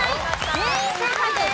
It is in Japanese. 全員正解です。